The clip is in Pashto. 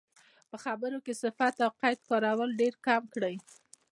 په خبرو کې صفت او قید کارول ډېرکم کړئ.